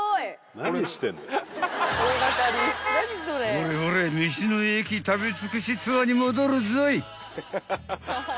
［ほれほれ道の駅食べ尽くしツアーに戻るぞい］